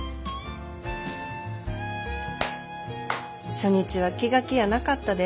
初日は気が気やなかったで。